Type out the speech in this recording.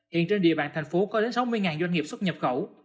hiện trên địa bàn thành phố có đến sáu mươi doanh nghiệp xuất nhập khẩu